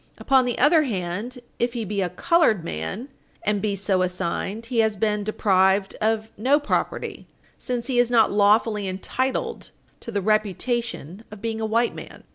Upon the other hand, if he be a colored man and be so assigned, he has been deprived of no property, since he is not lawfully entitled to the reputation of being a white man.